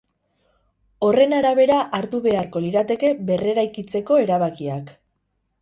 Horren arabera hartu beharko lirateke berreraikitzeko erabakiak.